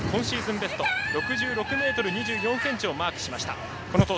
ベスト６６ｍ２４ｃｍをマークしました。